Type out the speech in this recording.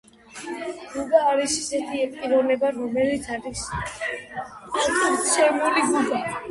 ის ცნობილია როგორც ინგლისის თასი.